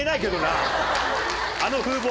あの風貌。